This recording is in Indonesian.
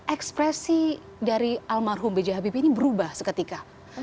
ekspresi dari almarhum b j habibie ini berubah seketika